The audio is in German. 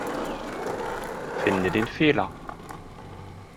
Finde den Fehler.